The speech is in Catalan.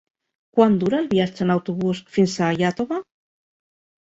Quant dura el viatge en autobús fins a Iàtova?